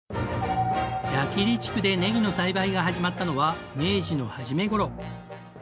矢切地区でねぎの栽培が始まったのは明治の初めごろ。